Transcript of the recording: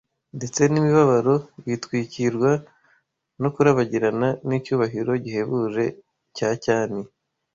ndetse n’imibabaro bitwikirwa no kurabagirana n’icyubahiro gihebuje cya cyami